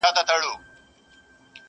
چي قاضي څه کوي زه ډېر په شرمېږم،